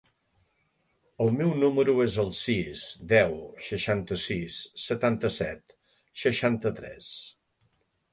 El meu número es el sis, deu, seixanta-sis, setanta-set, seixanta-tres.